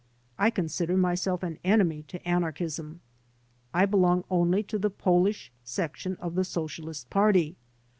I consider myself an enemy to anarchism. I belong only to the Polish section of the Socialist Party.